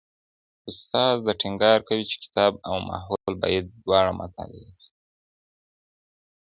استاد ټينګار کوي چي کتاب او ماحول بايد دواړه مطالعه سي.